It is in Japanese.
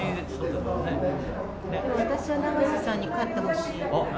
私は永瀬さんに勝ってほしい。